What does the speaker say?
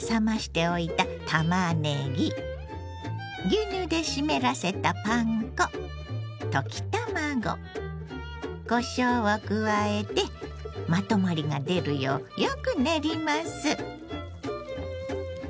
牛乳で湿らせたパン粉溶き卵こしょうを加えてまとまりが出るようよく練ります。